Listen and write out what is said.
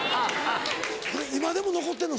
今でも残ってんの？